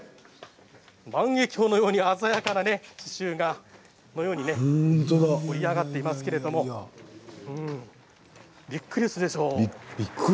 万華鏡のように鮮やかな刺しゅうのようにね織り上がっていますけれどもびっくりするでしょう。